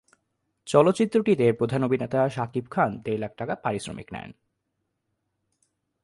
চলচ্চিত্রটিতে প্রধান অভিনেতা শাকিব খান দেড় লাখ টাকা পারিশ্রমিক নেন।